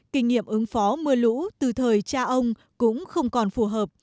kinh nghiệm ứng phó mưa lũ từ thời cha ông cũng không còn phù hợp